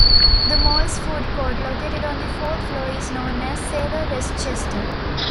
The mall's food court, located on the fourth floor, is known as Savor Westchester.